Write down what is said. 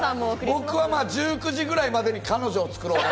僕は１９時くらいまでに彼女を作ろうと。